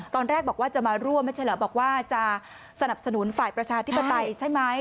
ตอนแรกบอกว่าจะมาร่วมไม่ใช่เหรอบอกว่าจะสนับสนุนฝ่ายประชาธิปไตยใช่ไหม